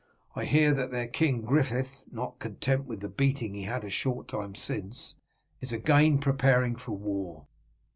I hear that their King Griffith, not content with the beating he had a short time since, is again preparing for war.